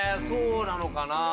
そうなのかな。